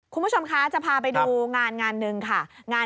คุณผู้ชมคะจะพาไปดูงานงานหนึ่งค่ะ